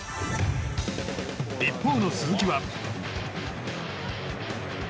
一方の鈴木は。